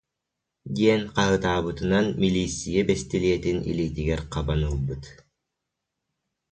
диэн хаһыытаабытынан милииссийэ бэстилиэтин илиитигэр хабан ылбыт